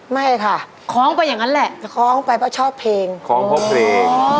ไม่ค่ะคล้องไปอย่างนั้นแหละคล้องไปเพราะชอบเพลงคล้องเพราะเพลง